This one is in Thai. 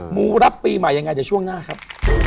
หมู่รับปีใหม่ยังไงจะช่วงหน้าครับ